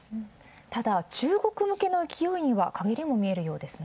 ただ中国向けの勢いにはかげりも見せるようですね。